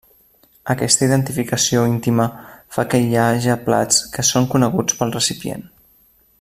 Aquesta identificació íntima fa que hi haja plats que són coneguts pel recipient.